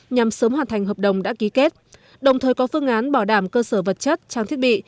nhằm sớm hoàn thành hợp đồng đã ký kết đồng thời có phương án bảo đảm cơ sở vật chất trang thiết bị